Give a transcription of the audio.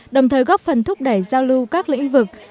đồng thời góp phần thúc đẩy giao lưu các lĩnh vực